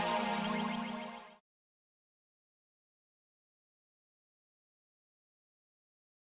dan menghentikan raiber